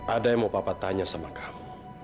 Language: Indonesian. ada yang mau papa tanya sama kamu